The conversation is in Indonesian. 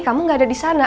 kamu gak ada di sana